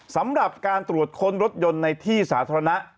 สำหรับการตรวจค้นรถยนต์ในที่สาธารณะ